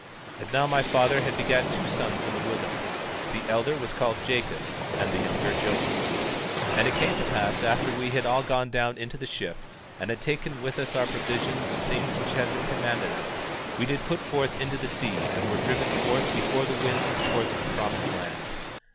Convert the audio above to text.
18:7 And now, my father had begat two sons in the wilderness; the elder was called Jacob and the younger Joseph. 18:8 And it came to pass after we had all gone down into the ship, and had taken with us our provisions and things which had been commanded us, we did put forth into the sea and were driven forth before the wind towards the promised land.